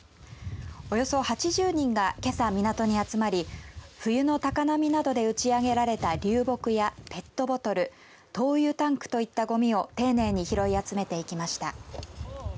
およそ８０人がけさ港に集まり冬の高波などで打ち上げられた流木やペットボトル灯油タンクといったごみを丁寧に拾い集めていきました。